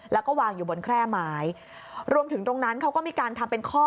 แล้วก็วางอยู่บนแคร่ไม้รวมถึงตรงนั้นเขาก็มีการทำเป็นข้อ